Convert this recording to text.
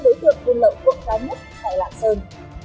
đối tượng quân lậu cộng đoán nhất tại lạng sơn